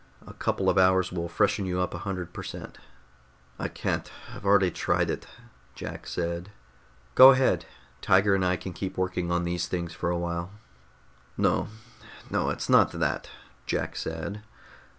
"A couple of hours will freshen you up a hundred per cent." "I can't, I've already tried it," Jack said. "Go ahead. Tiger and I can keep working on these things for a while." "No, no, it's not that," Jack said.